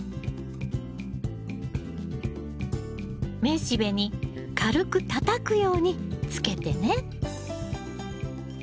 雌しべに軽くたたくようにつけてね。